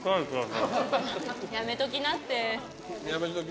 やめときなって。